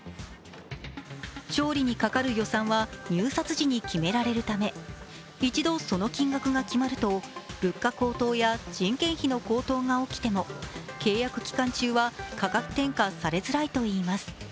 調理にかかる予算は入札時に決められるため一度、その金額が決まると物価高騰や人件費の高騰が起きても契約期間中は価格転嫁されづらいといいます。